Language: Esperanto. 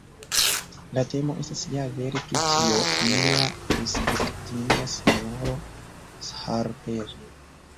La temo estas ja vere pri tio, mia respektinda sinjoro Sharper!